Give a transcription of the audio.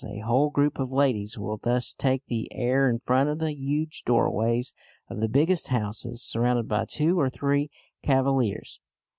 A whole group of ladies will thus take the air in front of the huge doorways of the biggest houses, surrounded by two or three cavaliers.